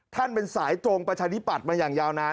ท่านเป็นสายโจงประชาริปัติมาอย่างยาวนาน